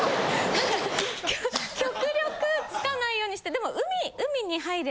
極力つかないようにしてでも。